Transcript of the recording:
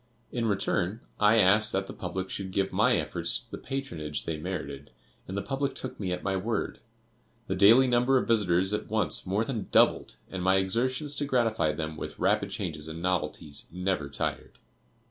In return, I asked that the public should give my efforts the patronage they merited, and the public took me at my word. The daily number of visitors at once more than doubled, and my exertions to gratify them with rapid changes and novelties never tired.